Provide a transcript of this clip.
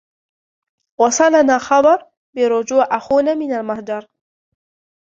وصلنا خبر بارجوع آخونا من المهجر.